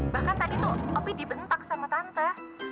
bahkan tadi tuh kopi dibentak sama tante